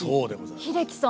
英樹さん